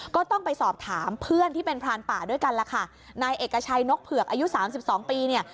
ก็ต้องไปสอบถามเพื่อนที่เป็นพรานป่าด้วยกันล่ะค่ะนายเอกชัยนกเผือกอายุสามสิบสองปีเนี่ย